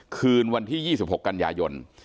คืนวันที่๒๖กันยายน